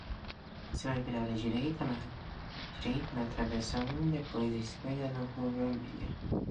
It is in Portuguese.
Você vai virar à direita, na Travessa um, depois à esquerda na Rua Vermelha.